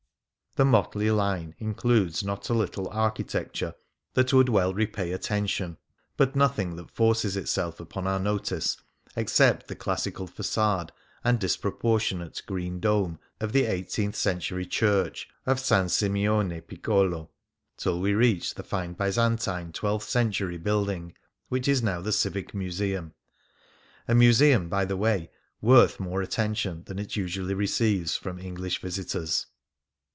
The mot ley line includes not a little architecture that would well repay attention, but nothing that forces itself upon our notice, except the classical fac^ade and disproportionate green dome of the 32 The Grand Canal eighteenth century church of S. Simeone Piccolo, till we reach the fine Byzantine twelfth century buildinff which is now the civic museum — a. museum, by the way, worth more attention than it usually receives from English visitors.